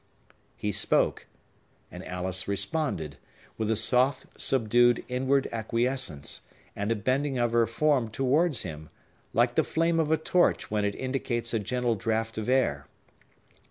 He spoke, and Alice responded, with a soft, subdued, inward acquiescence, and a bending of her form towards him, like the flame of a torch when it indicates a gentle draught of air.